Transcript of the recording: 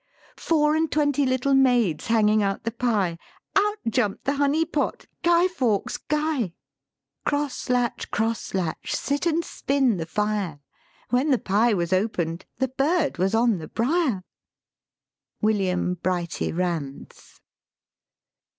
Four and twenty little maids Hanging out the pie, Out jump'd the honey pot, Guy Fawkes, Guy! LYRIC POETRY Cross latch, cross latch. Sit and spin the fire; When the pie was open'd, The bird was on the brier! WILLIAM BRIGHTY RANDS.